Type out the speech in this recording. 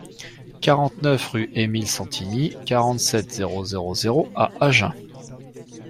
quarante-neuf rue Emile Sentini, quarante-sept, zéro zéro zéro à Agen